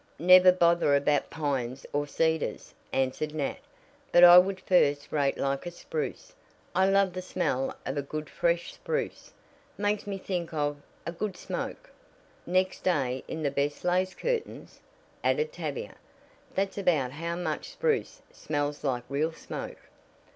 "Never bother about pines or cedars," answered Nat, "but I would first rate like a spruce I love the smell of a good fresh spruce. Makes me think of a good smoke!" "Next day in the best lace curtains," added Tavia. "That's about how much spruce smells like real smoke."